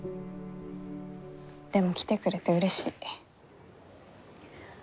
でも来てくれてうれしい。